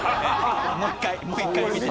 もう１回もう１回見て。